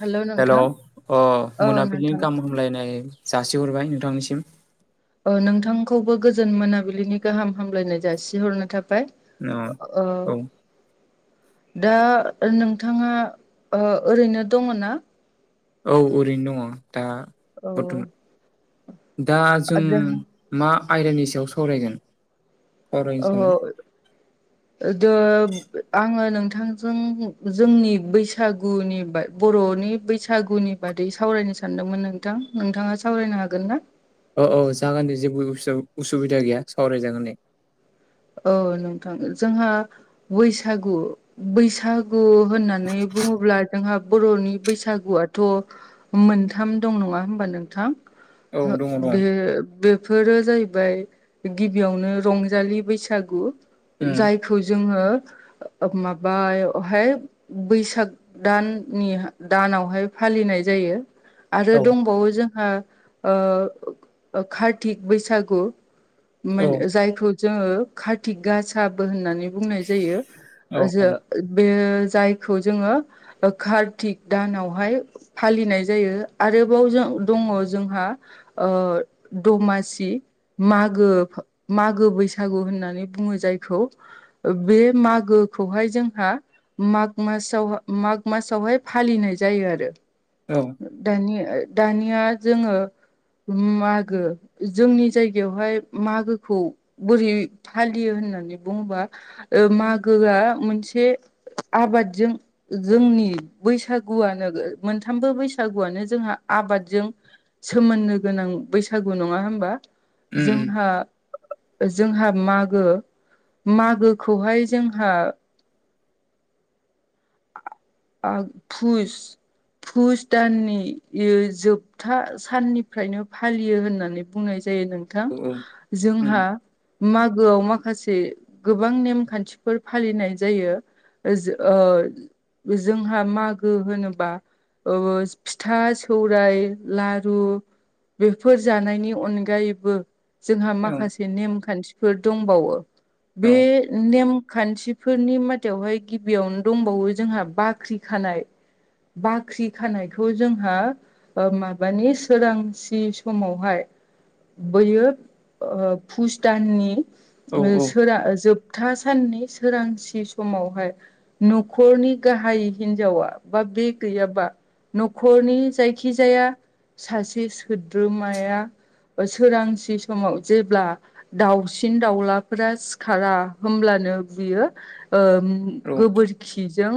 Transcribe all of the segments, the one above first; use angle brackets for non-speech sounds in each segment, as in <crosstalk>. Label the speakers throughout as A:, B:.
A: Hello
B: hello
A: नोंथां
B: अ
A: औ
B: मोनाबिलि
A: नोंथां
B: हामलायनाय जासिहरबाय नोंथांनिसिम।
A: अ नोंथांखौबो गोजोन मोनाबिलिनि गाहाम हामलायनाय जासिहरनो थाबाय।
B: औ
A: ओ।
B: औ
A: दा नोंथाङा ओरैनो दङ ना?
B: औ ओरैनो दङ दा।
A: अ।
B: बर्थमान दा जों मा आयदानि सायाव सावरायगोन? सावरायनो सानो
A: औ। द आङो नोंथांजों जोंनि बैसागुनि ब बर'नि बैसागुनि बादै सावरायनो सानदोंमोन नोंथां। नोंथाङा सावरायनो हागोन?
B: औ औ जागोन दे जेबो उसुबिदा गैया सावरायजागोन दे।
A: औ नोंथां। जोंहा बैसागु बैसागु गु होननानै बुङोब्ला जोंहा बर'नि बैसागुआथ' मोनथाम दं नङा होमबा नोंथां?
B: औ दङ दङ
A: बे बे बेफोरो जाहैबाय गिबियावनो रंजालि बैसागु। जाय खौ जोङो माबायावहाय बैसाग दाननि दानावहाय फालिनाय जायो आरो
B: औ
A: दंबावो जोंहा कारतिक बैसागु मान
B: औ
A: जायखौ जोङो कार्तिक गासाबो होननानै बुंनाय जायो ओ
B: औ
A: जो बे जायखौ जोङो कार्तिक दानावहाय फालिनाय जायो आरोबाव जों दङ जोंहा दमासि मागो मागो बैसागु होननानै नानै बुङो जायखौ बे मागोखौहाय जोंहा माग मासाव माग मासावहाय फालिनाय जायो आरो
B: औ
A: दानि दानिया जोङो मागो जोंनि जायगायावहाय मागोखौ बोरै फालियो होननानै बुङोबा मागोआ मोनसे आबादजों जोंनि बैसागुआनो मोनथामबो बैसागुआनो जोंहा आबादजों सोमोन्दो गोनां बैसागु नङा होनबा
B: उम
A: जोंहा जोंहा मागो मागोखौहाय जोंहा पु-पुस दाननि जोब सोबथा साननिफ्रायनो फालियो होननानै बुंनाय जायो नोंथां
B: उम
A: जोंहा मागोआव माखासे गोबां नेमखान्थिफोर फालिनाय जायो जोंहा मागो होनोबा फिथा सौराय लारु बेफोर जानायनि अनगायैबो जोंहा
B: औ उम
A: माखासे नेमखान्थिफोर दंबावो
B: औ
A: बे नेमखान्थि फोरनि माथथायावहाय गिबियावनो दंबावो जोंहा बाख्रि खानाय बाख्रि खानायखौ जोंहा माबानि सोरांसि समावहाय बैयो भुस दाननि
B: औ औ
A: सोरा जोबथा साननि सोरांसि समावहाय नखरनि गाहाय हिनजावा बा बे गैयाबा न'खरनि जायखिजाया सासे सोद्रोमाया सोरांसि समाव जेब्ला दाउसिन दाउलाफोरा सिखारा होनोमब्लानो बियो
B: औ
A: गोबोर बाखिजों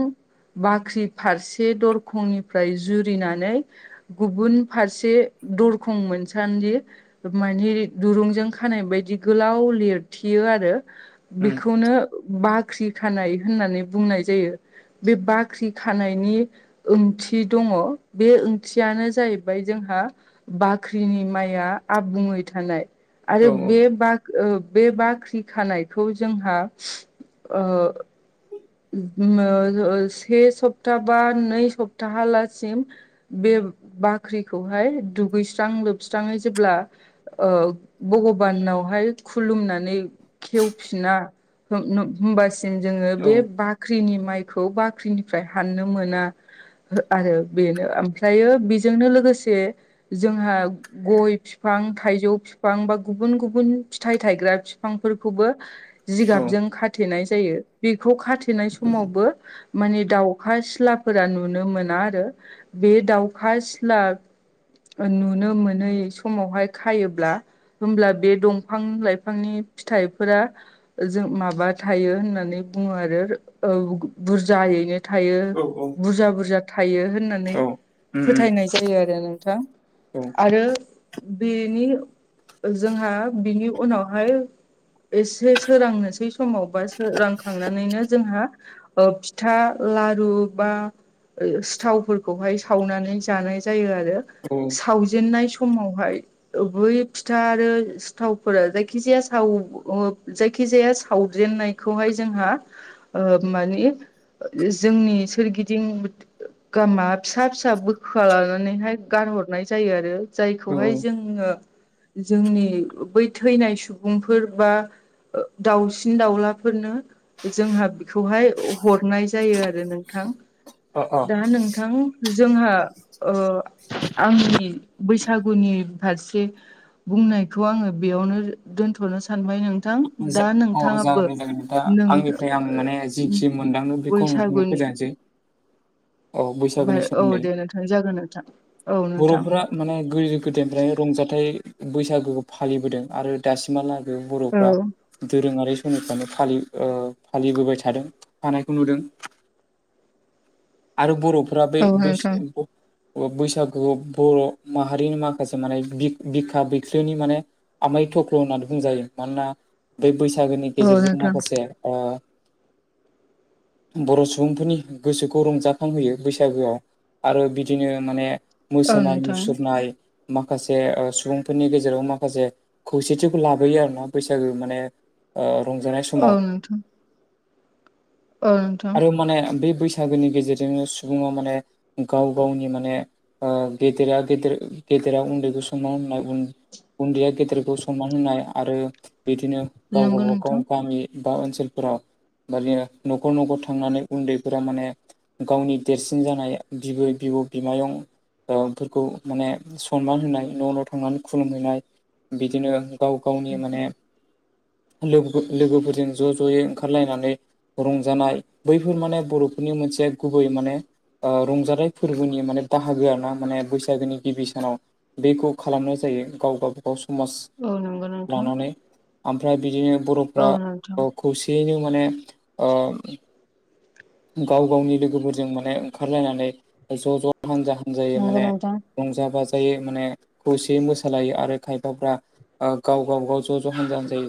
A: बाख्रि फारसे दरखंनिफ्राय जुरिनानै गुबुन फारसे दरखं मोनसान्दि मानि दुरुंजों खानाय बायदि गोलाव लिरथियो आरो
B: उम
A: बेखौनो बाख्रि खानाय होननानै बुंनाय जायो बे बाख्रि खानायनि ओंथि दङ बे ओंथियानो जाहैबाय जोंहा बाख्रिनि माइआ आबुङै थानाय
B: औ
A: आरो
B: औ
A: बे बा बे बाख्रि खानायखौ जोंहा से सप्ता बा नै सप्ताहालासिम बे बाख्रिखौहाय दुगैस्रां लोबस्राङै जेब्ला भगबानावहाय खुलुमनानै खेवफिना होनोमबासिम जोङो बे बाख्रिनि माइखौ बाख्रिनिफ्राय हाननो मोना आरो बेनो ओमफ्रायो बेजोंनो लोगोसे जोंहा गय बिफां थाइजौ बिफां बा गुबुन गुबुन फिथाइ थायग्रा बिफांफोरखौबो जिगाबजों खाथेनाय जायो बेखौ खाथेनाय समावबो माने दाउखा सिलाफोरा नुनो मोना आरो बे दाउखा सिला फोर नुनो मोनो एसमावहाय खायोब्ला। होमब्ला बे दंफां लाइफांनि फिथाइफोरा। जों माबा थायो होननानै बुङो आरो ओ बुरजायैनो। थायो
B: औ औ
A: बुरजा बुरजा थायो होननानै
B: औ उम उम
A: फोथायनाय जायो आरो नों थां
B: औ
A: आरो बिनि ओ जोंहा बिनि उनावहाय एसे सोरांनोसै समाव बा सोरांखांनानैनो। जोंहा ओ फिथा लारु बा। ओ सिथावफोरखौहाय सावनानै जानाय जायो आरो
B: औ
A: सावजेननाय स समहावहाय बै फिथा आरो सिथावफोरा जायखिजाया साव ओ जायखिजाया सावजेननायखौहाय जोंहा ओ माने जोंनि सोरगिदिं गामा फिसा फिसा बोखोआ लानानैहाय गारहरनाय जायो आरो
B: औ
A: जायखौहाय
B: औ
A: जोङो जोंनि बै थैनाय सुबुंफोर बा। ओ दाउसिन दाउलाफोरनो जोंहा खौहाय हरनाय जायो आरो नोंथां
B: अ अ
A: दा नोंथां। जोंहा ओ आंनि बैसागुनि फारसे। बुंनायखौ आङो बेयावनो दोनथ'नो सानबाय नों
B: <unintelligible> जि
A: नों
B: मोनदांदों बिखौ उ
A: बैसागुनि
B: फोजानोसै।
A: ओमफाय औ दे नोंथां जागोन नोंथां औ नो
B: बर'फोरा माने गोदो गोदायनिफ्राय रंजाथाइ बैसागो फालिबोदों आरो दासिमहाला उम
A: औ
B: बर'फ्रा। दोरोङारि समनिफ्रायनो फालि ओ फालिबोबाय थादों हानायखौ नुदों।
A: <unintelligible>
B: आरो बर'फोरा बे
A: औ नोंथां
B: बैसो ब ओ बैसागु बर' माहारिनि माखासे माने बिब बिखा बिखोनि माने आमाय थख्ल' होननानै बुंजायो मानोना बै बैसागोनि
A: औ
B: गेजेरजों
A: नोंथां
B: माखासे ओ।
A: <unintelligible>
B: बर' सुबुंफोरनि गोसोखौ रंजाखांहोयो बैसागोआ। आरो बिदिनो माने
A: औ
B: मोसानाय
A: नोंथां
B: मुसुरनाय। माखासे ओ सुबुंफोरनि गेजेराव माखासे खौसेथिखौ लाबोयो आरो ना बैसागो माने ओ रंजानाय
A: औ
B: समाव।
A: नोंथां औ नोंथां
B: आरो माने बे बैसागोनि गेजेरजोंनो सुबुङा माने गाव गावनि माने ओ गेदेरा गेदेर गेदेरा उन्दैखौ समाव होनाय उन उन्दैया गेदेरखौ सनमान होनाय आरो बिदिनो
A: नंगौ
B: गावबागाव
A: नोंथां
B: गाव गामि ओ ओनसोलफोराव मानिया न'खर न'खर थांनानै उन्दैफोरा माने गावनि देरसिन जानाय बिबै बिबौ बिमायं। <unintelligible> फोरखौ माने सनमान होनाय न' न' थांनानै खुलुमहैनाय बिदिनो। गाव गावनि माने लोगोफो लोगोफोरजों ज' ज'यै ओंखारलायनानै रंजानाय बैफोर माने बर'फोरनि मोनसे गुबै माने ओ रंजाथाय फोरबोनि माने बाहागोआरोना माने बैसागोनि गिबि सानाव। बेखौ खालामनाय जायो गावबागाव समास।
A: औ नंगौ नोंथां।
B: ओमफ्राय बिदिनो बर'फ्रा औ खौसेयैनो माने ओयो। गाव गावनि लोगोफोरजों माने ओंखारलायनानै ज' ज' हान्जा हान्जायै
A: नंगौ
B: माने।
A: नोंथां
B: रंजा बाजायै माने खौसेयै मोसालायो आरो खायफ्राफ्रा। ओ गाव गाव गाव ज' ज' हान्जा हानजायै।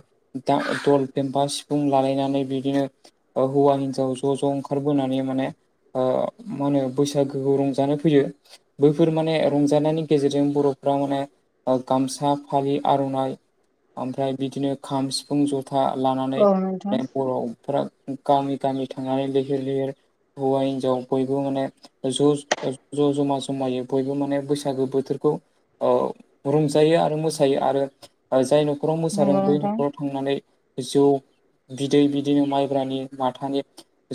B: दा दल फेम्फा सिफुं लालायनानै बिदिनो ओ हौवा हिनजाव ज' ज' ओंखा ओंखारबोनानै माने ओ मा होनो बैसागोखौ रंजानो फैयो। बैफोर माने रंजानायनि गेजेरजों बर'फ्रा माने ओ गामसा फालि आर'नाइ ओमफ्राय बिदिनो खाम सिफुं ज था लानानै
A: औ नोंथां
B: बर'फ्रा गामि गामि थांनानै लैहोर लैहोर हौवा हिनजाव बयबो माने ज' ज' जमा जमायै बयबो माने बैसागो बोथोरखौ औ रंजायो आरो मोसायो आरो जाय न'खराव मोसादों
A: नंगौ
B: बै
A: नोंथां
B: न'खराव थांनानै जौ बिदै बिदिनो माइब्रानि माथानि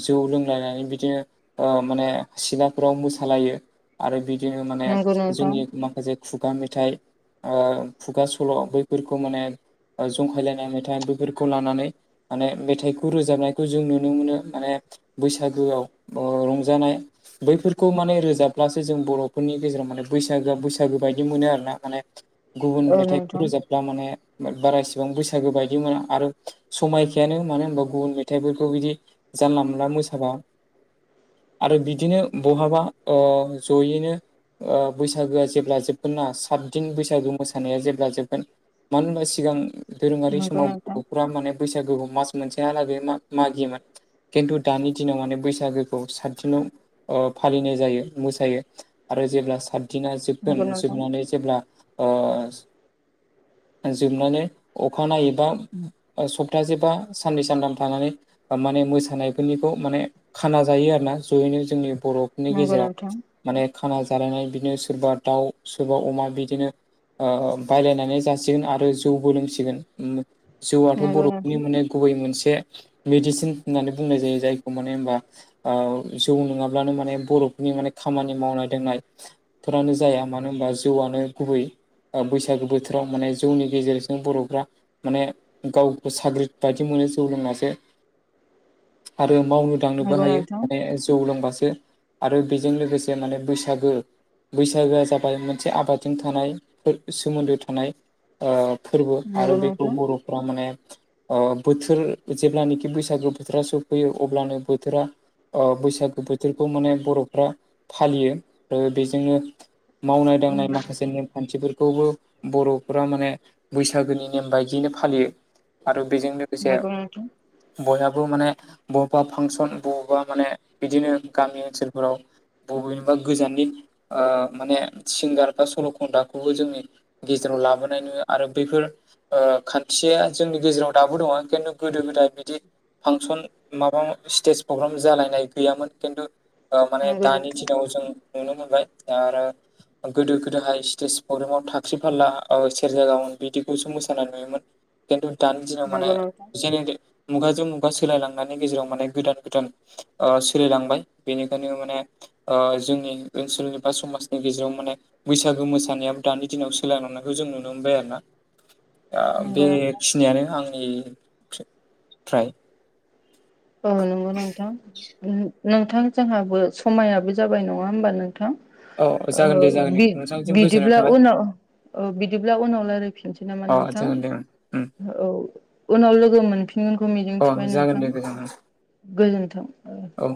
B: जौ लोंलायनानै बिदिनो ओ माने सिलाफोराव मोसालायो। आरो बिदिनो माने
A: नंगौ नोंथां
B: जोंनि माखासे खुगा मेथाइ ओ खुगा सल' बैफोरखौ माने जंखायलायनाय मेथाइ बैफोरखौ लानानै माने मेथाइखौ रोजाबनायखौ जों नुनो मोनो माने बैसागोआव ओ रंजानाय बैफोरखौ माने रोजाबब्लासो जों बर'फोरनि गेजेराव माने बैसागोआ बैसागो बायदि मोनो आरोना माने। गुबुन
A: औ
B: मेथाइखौ
A: नोंथां
B: रोजाबब्ला माने बारा इसिबां बैसागो बायदि मोना आरो समायखायानो मानो होनबा गुबुन मेथाइफोरखौ बिदि जानला मोनला मोसाबा आरो बिदिनो बहाबा ओ जयैनो ओ बैसागोआ जेब्ला जोबगोन ना सात दिन बैसागु मोसानाया जेब्ला जोबगोन मानो होनबा सिगां दोरोङारि
A: नंगौ
B: समाव
A: नोंथां
B: बर'फोरा माने बैसागुखौ मास मोनसेहालागै मागियोमोन। खिन्थु दानि दिनाव माने बैसागोखौ सात दिनाव फालिनाय जायो मोसायो। आरो जेब्ला सात दिना
A: नंगौ
B: जोबगोन
A: नोंथां
B: जोबनानै जेब्ला ओ जोबनानै अखानायै बा ओ सप्तासे बा साननै सानथाम थानानै माने मोसा नायफोरनिखौ माने खाना जायो आरोना जयैनो जोंनि बर'फोरनि
A: नंगौ
B: गेजेराव।
A: नोंथां
B: माने खाना जालायनाय बिदिनो सोरबा दाउ सोरबा अमा बिदिनो ओ बायलायनानै जासिगोन आरो जौबो लोंसिगोन। ओम जौआथ'
A: नंगौ
B: बर'नि
A: नोंथां
B: माने गुबै मोनसे मेडिसिन होननानै बुंनाय जायो जायखौ माने होनबा जौ नङाब्लानो माने बर'फोरनि माने खामानि मावनाय दांनाय फोरफोरानो जाया, मानो होनबा जौआनो गुबै। ओ बैसागो बोथोराव माने जौनि गेजेरजों बर'फ्रा माने गावखौ साग्रिद बायदि मोनो जौ लोंनासो आरो मावनो दांनोबो
A: नंगौ
B: हायो
A: नोंथां
B: माने जौ लोंबासो। आरो बेजों लोगोसे माने बैसागो बैसागोआ जाबाय मोनसे आबादजों थानाय सोमोन्दो थानाय ओ फोरबो आरो
A: नंगौ नोंथां नंगौ
B: बेखौ
A: नोंथां
B: बर'फ्रा माने ओ बोथोर जेब्लानाखि बैसागो बोथोरा सफैयो अब्लानो बोथोरा ओ बैसागो बोथोरखौ माने बर'फ्रा फालियो आरो बेजोंनो मावनाय
A: नंगौ नोंथां नंगौ
B: दांनाय माखासे
A: नोंथां
B: नेम खान्थिफोरखौबो बर'फोरा माने बैसागोनि नेम बायदियैनो फालियो। आरो बेजों लोगोसे
A: नंगौ नोंथां नंगौ नोंथां
B: बयहाबो माने बबेबा फांसन बबेबा माने बिदिनो गामि ओनसोलफोराव बबेनिबा गोजाननि माने सिंगार बा सल' खनग्राखौबो जोंनि गेजेराव लाबोनाय नुयो आरो बैफोर ओ खान्थिया जोंनि गेजेराव दाबो दङ खिन्थु गोदो गोदाय बिदि फांसन माबा स्टेज प्रग्राम जालायनाय गैयामोन खिन्थु ओ माने दानि दिनाव जों नुनो मोनबाय आरो गोदो गोदोहाय स्टेज प्रग्रामाव थाख्रि फारला, ओ सेरजा गावोन बिदिखौसो मोसानाय नुयोमोन। खिन्थु दानि दिनाव माने जेनेरिक मुगाजों मुगा सोलायलांनायनि गेजेराव माने गोदान गोदान सोलायलांबाय बेनिखायनो माने जोंनि ओनसोलनि बा समाजनि गेजेराव माने बैसागो मोसानायाबो दानि दिनाव सोलायलांनायखौ जों नुनो मोनबाय आरो ना। बेखिनियानो आंनि फ्र फ्राय।
A: औ नंगौ नोंथां। नोंथां जोंहाबो समायाबो जाबाय नङा होमबा नोंथां।
B: औ
A: ओ
B: जागोन दे जागोन दे
A: बि
B: नोंथांनिसिम गोजोननाय
A: बिदिब्ला
B: थाबाय
A: उनाव औ बिदिब्ला उनाव रायलायफिनसै नामा
B: अ
A: नोंथां
B: जागोन दे
A: औ। उनाव लोगो मोनफिनगोनखौ
B: ओं
A: मिजिंथिबाय
B: अ जागोन
A: नोंथां
B: दे गोजोनथों
A: गोजोन्थों।
B: औ